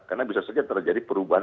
karena bisa saja terjadi perubahan